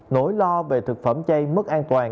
nỗi lo về thực phẩm chay mất an toàn